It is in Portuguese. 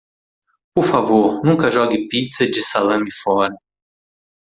Por favor nunca jogue pizza de salame fora.